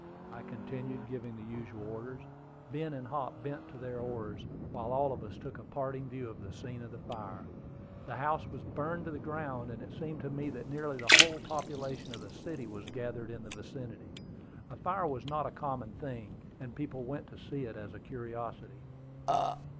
I continued, giving the usual orders. Ben and Hop bent to their oars, while all of us took a parting view of the scene of the fire. The house was burned to the ground; and it seemed to me that nearly the whole population of the city was gathered in the vicinity. A fire was not a common thing, and people went to see it as a curiosity.